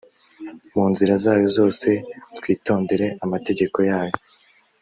mu nzira zayo zose twitondera amategeko yayo